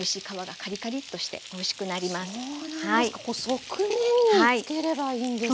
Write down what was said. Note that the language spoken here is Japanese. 側面につければいいんですか。